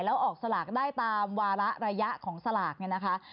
แล้วออกสลากได้ตามวาระระยะของสลากเนี่ยนะคะ